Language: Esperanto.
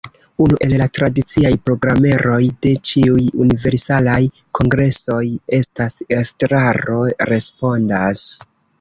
Unu el la tradiciaj programeroj de ĉiuj Universalaj Kongresoj estas ”Estraro respondas”.